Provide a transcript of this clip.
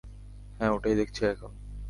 হ্যাঁ, ওটাই দেখছি এখন।